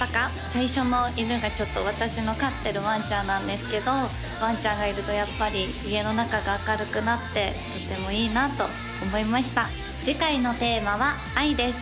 最初の犬がちょっと私の飼ってるワンちゃんなんですけどワンちゃんがいるとやっぱり家の中が明るくなってとてもいいなと思いました次回のテーマは「愛」です